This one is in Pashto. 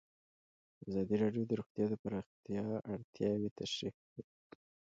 ازادي راډیو د روغتیا د پراختیا اړتیاوې تشریح کړي.